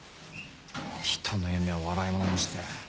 人の夢を笑いものにして。